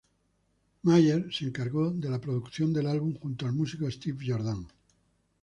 Mayer se encargó de la producción del álbum junto al músico Steve Jordan.